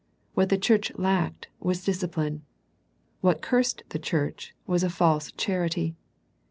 What the church lacked was discipline. What cursed the church was a false charity.